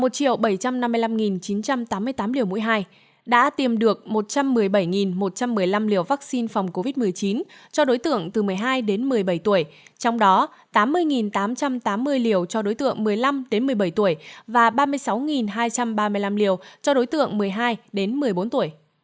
tỉnh đã tiêm bốn một trăm sáu mươi bốn sáu trăm hai mươi tám liều mũi hai đã tiêm được một trăm một mươi bảy một trăm một mươi năm liều vaccine phòng covid một mươi chín cho đối tưởng từ một mươi hai đến một mươi bảy tuổi trong đó tám mươi tám trăm tám mươi liều cho đối tượng một mươi năm đến một mươi bảy tuổi và ba mươi sáu hai trăm ba mươi năm liều cho đối tượng một mươi hai đến một mươi bốn tuổi